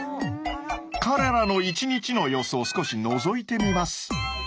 彼らの一日の様子を少しのぞいてみます。